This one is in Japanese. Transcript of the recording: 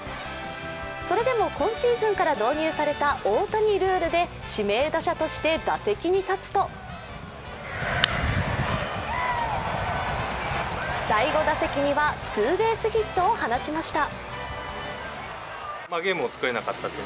それでも今シーズンから導入された大谷ルールで指名打者として打席に立つと第５打席にはツーベースヒットを放ちました。